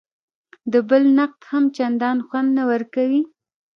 د بل نقد هم چندان خوند نه ورکوي.